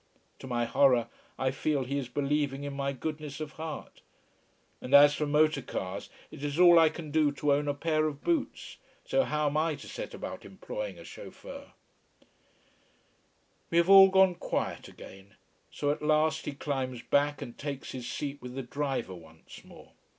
To my horror I feel he is believing in my goodness of heart. And as for motor cars, it is all I can do to own a pair of boots, so how am I to set about employing a chauffeur? We have all gone quiet again. So at last he climbs back and takes his seat with the driver once more.